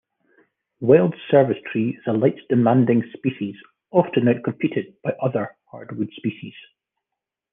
Wild service tree is a light-demanding species, often out-competed by other hardwood species.